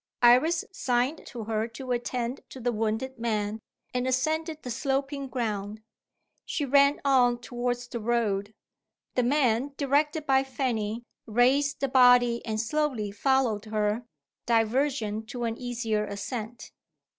Iris signed to her to attend to the wounded man, and ascended the sloping ground. She ran on towards the road. The men, directed by Fanny, raised the body and slowly followed her, diverging to an easier ascent.